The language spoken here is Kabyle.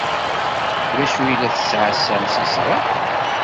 D acu i la tettɛassam seg ṣṣbeḥ?